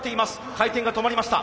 回転が止まりました。